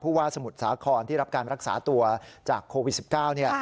ว่าสมุทรสาครที่รับการรักษาตัวจากโควิด๑๙เนี่ย